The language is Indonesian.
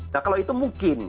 nah kalau itu mungkin